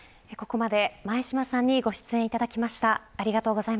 ここまで、前嶋さんにご出演いただきました。